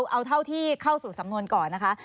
เอาเท่าที่เข้าสู่สำนวนก่อนนะคะ